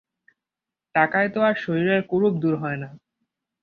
টাকায় তো আর শরীরের কুরূপ দূর হয় না।